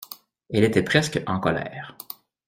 Elle était presque en colère.